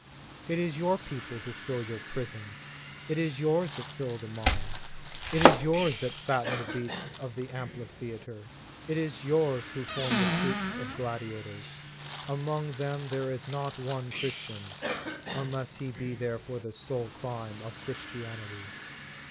It is your people who fill your prisons; it is yours that fill the mines ; it is yours that fatten the beasts of In the Nineteenth Century. 39 the amphitheatre, it is yours who form your troops of gladiators. Among them there is not one Christian, unless he be there for the sole crime of Christianity.